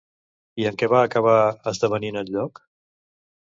I en què va acabar esdevenint el lloc?